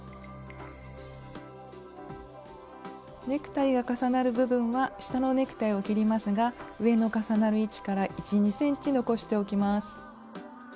ネクタイが重なる部分は下のネクタイを切りますが上の重なる位置から１２ｃｍ残しておきます。